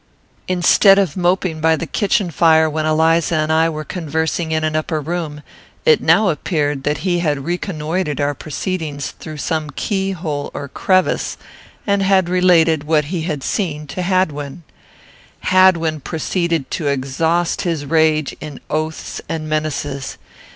Instead of moping by the kitchen fire when Eliza and I were conversing in an upper room, it now appeared that he had reconnoitred our proceedings through some keyhole or crevice, and had related what he had seen to Hadwin. Hadwin proceeded to exhaust his rage in oaths and menaces.